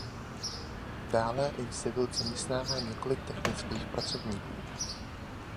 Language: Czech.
Dále institut zaměstnává několik technických pracovníků.